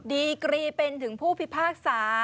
ดีกรีเป็นถึงผู้พิพากษา